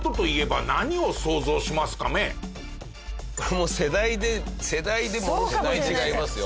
もう世代で世代でものすごい違いますよ。